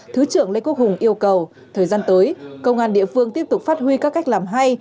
thứ trưởng lê quốc hùng yêu cầu thời gian tới công an địa phương tiếp tục phát huy các cách làm hay